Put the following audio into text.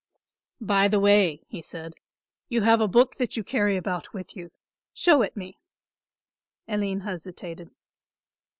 "By the way," said he, "you have a book that you carry about with you. Show it me." Aline hesitated.